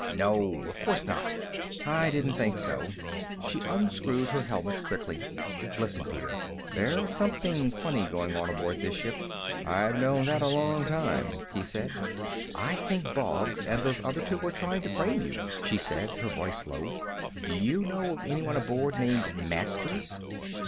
"No. Of course not." "I didn't think so." She unscrewed her helmet quickly. "Listen, Peter, there's something funny going on aboard this ship." "I've known that a long time," he said. "I think Boggs and those other two are trying to frame you," she said, her voice low. "Do you know of anyone aboard named Masters?"